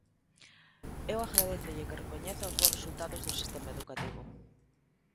Eu agradézolle que recoñeza os bos resultados do sistema educativo.